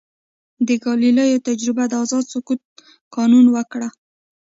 د ګالیلیو تجربه د آزاد سقوط قانون ورکړ.